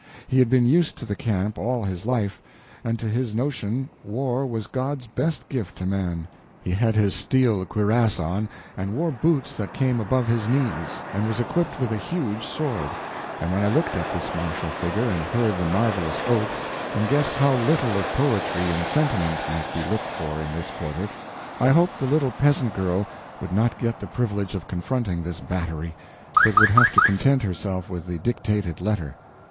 He had been used to the camp all his life, and to his notion war was God's best gift to man. He had his steel cuirass on, and wore boots that came above his knees, and was equipped with a huge sword; and when I looked at this martial figure, and heard the marvelous oaths, and guessed how little of poetry and sentiment might be looked for in this quarter, I hoped the little peasant girl would not get the privilege of confronting this battery, but would have to content herself with the dictated letter.